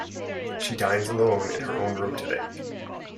She dines alone in her own room today.